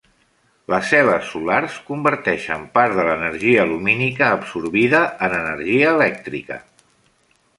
Les cel·les solars converteixen part de l'energia lumínica absorbida en energia elèctrica.